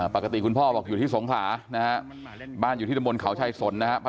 ปกติคุณพ่อบอกอยู่ที่สงขานะฮะบ้านอยู่ที่ด้านบนเขาช่ายสนนะฮะ